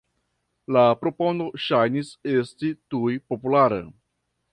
La propono ŝajnis esti tuj populara.